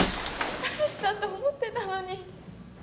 彼氏だと思ってたのに。